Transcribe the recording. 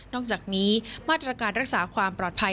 อกจากนี้มาตรการรักษาความปลอดภัย